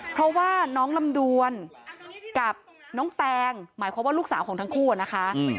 เพราะว่าน้องลำดวนกับน้องแตงหมายความว่าลูกสาวของทั้งคู่นะคะ